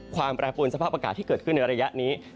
แปรปวนสภาพอากาศที่เกิดขึ้นในระยะนี้